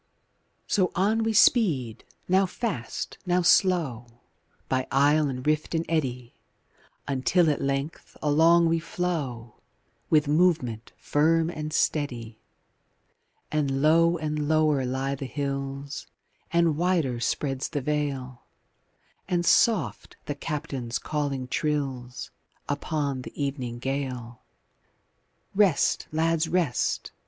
VI So on we speed; now fast, now slow; By isle and rift and eddy Until at length along we flow With movement firm and steady; And low and lower lie the hills, And wider spreads the vale, And soft the Captain's calling trills Upon the evening gale: Rest, lads, rest!